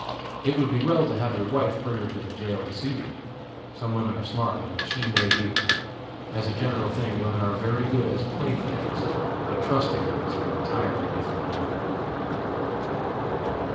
It would be well to have your wife bring her to the jail to see you. Some women are smart, and she may be. As a general thing women are very good as playthings, but trusting them is an entirely different matter."